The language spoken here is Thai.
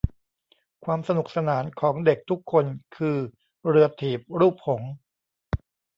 ความสนุกสนานของเด็กทุกคนคือเรือถีบรูปหงส์